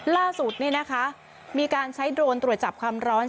ล่าสุดมีการใช้โดรนตรวจจับความร้อน